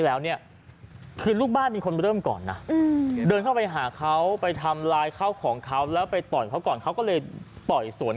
แล้วเนี่ยคือลูกบ้านเป็นคนเริ่มก่อนนะเดินเข้าไปหาเขาไปทำลายข้าวของเขาแล้วไปต่อยเขาก่อนเขาก็เลยต่อยสวน